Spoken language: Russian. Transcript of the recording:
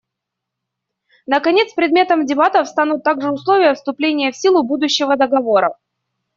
Наконец, предметом дебатов станут также условия вступления в силу будущего договора.